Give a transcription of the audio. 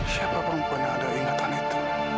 siapa perempuan yang ada ingatan itu